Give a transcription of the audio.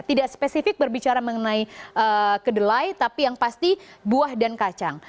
tidak spesifik berbicara mengenai kedelai tapi yang pasti buah dan kacang